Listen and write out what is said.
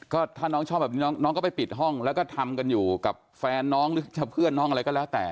ก็ถ้าน้องชอบแบบนี้น้องก็ไปปิดห้องแล้วก็ทำกันอยู่กับแฟนน้องหรือจะเพื่อนน้องอะไรก็แล้วแต่